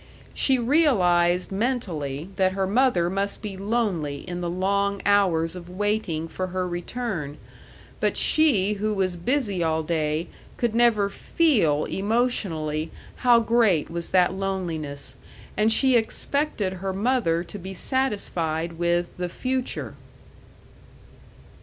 She realized mentally that her mother must be lonely in the long hours of waiting for her return, but she who was busy all day could never feel emotionally how great was that loneliness, and she expected her mother to be satisfied with the future.